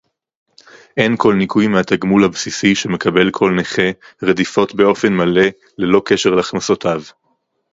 אין כל ניכוי מהתגמול הבסיסי שמקבל כל נכה רדיפות באופן מלא ללא קשר להכנסותיו